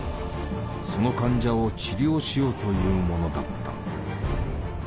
その患者を治療しようというものだった。